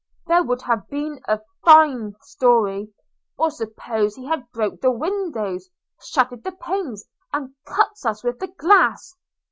– there would have been a fine story! – Or suppose he had broke the windows, shattered the panes, and cut us with the glass!